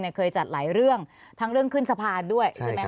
เคยจัดหลายเรื่องทั้งเรื่องขึ้นสะพานด้วยใช่ไหมค